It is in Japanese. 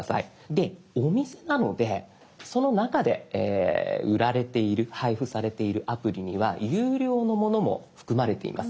でお店なのでその中で売られている配布されているアプリには有料のものも含まれています。